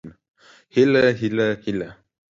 هيله هيله هيله